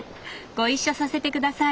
ご一緒させて下さい！